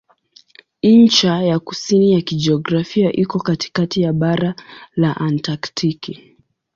Ncha ya kusini ya kijiografia iko katikati ya bara la Antaktiki.